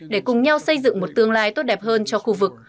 để cùng nhau xây dựng một tương lai tốt đẹp hơn cho khu vực